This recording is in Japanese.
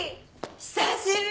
久しぶり！